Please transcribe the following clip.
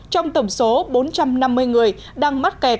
trong tổng số bốn trăm năm mươi người đang mắc kẹt